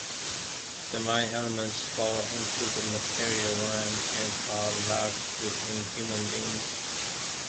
Divine elements "fall" into the material realm, and are locked within human beings.